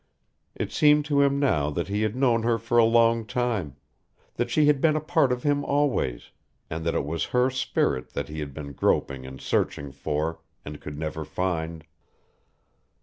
It seemed to him now that he had known her for a long time, that she had been a part of him always, and that it was her spirit that he had been groping and searching for, and could never find.